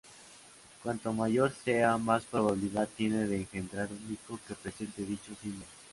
Cuanto mayor sea, más probabilidad tiene de engendrar un hijo que presente dicho síndrome.